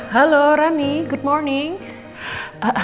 halo rani selamat pagi